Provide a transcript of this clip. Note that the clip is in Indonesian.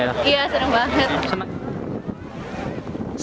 iya seneng banget